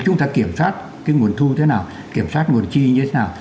chúng ta kiểm soát cái nguồn thu thế nào kiểm soát nguồn chi như thế nào